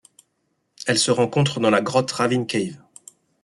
Elle se rencontre dans la grotte Ravin Cave.